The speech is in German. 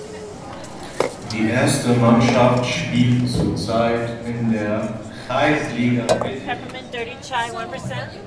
Die erste Mannschaft spielt zurzeit in der "Kreisliga Wittich".